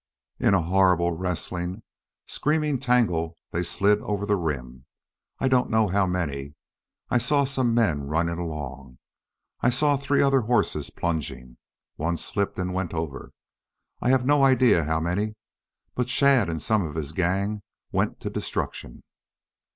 In a horrible, wrestling, screaming tangle they slid over the rim! I don't know how many. I saw some men running along. I saw three other horses plunging. One slipped and went over. ... I have no idea how many, but Shadd and some of his gang went to destruction."